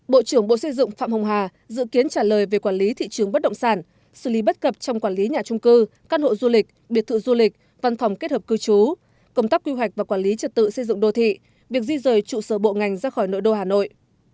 bộ trưởng bộ xây dựng phạm hồng hà dự kiến trả lời về quản lý thị trường bất động sản xử lý bất cập trong quản lý nhà trung cư căn hộ du lịch biệt thự du lịch văn phòng kết hợp cư trú công tác quy hoạch và quản lý trật tự xây dựng đô thị việc di rời trụ sở bộ ngành ra khỏi nội đô hà nội